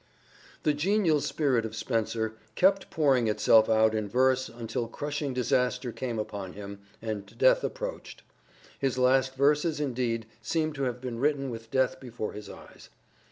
The genial spirit of Spenser kept pouring itself out in verse until crushing disaster came upon him, and death approached : his last verses indeed seem to have been written with death before his eyes.